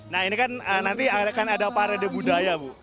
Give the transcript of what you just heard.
nah ini kan nanti akan ada parade budaya bu